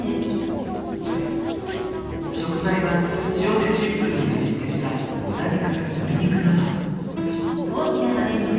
食材は塩でシンプルに味付けした豚肉や鶏肉など。